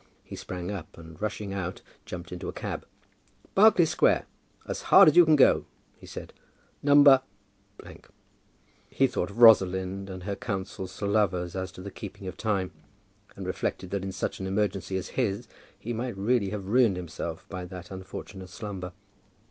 He sprang up, and rushing out, jumped into a cab. "Berkeley Square, as hard as you can go," he said. "Number ." He thought of Rosalind, and her counsels to lovers as to the keeping of time, and reflected that in such an emergency as his, he might really have ruined himself by that unfortunate slumber.